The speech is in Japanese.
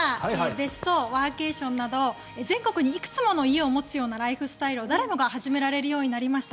別荘、ワーケーションなど全国にいくつもの家を持つようなライフスタイルを誰もが始められるようになりました。